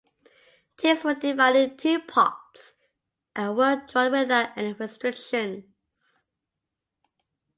Teams were divided in two pots and were drawn without any restrictions.